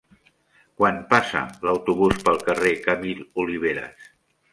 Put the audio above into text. Quan passa l'autobús pel carrer Camil Oliveras?